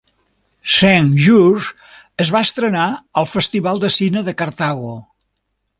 "Cinq Jours" es va estrenar al festival de cine de Cartago.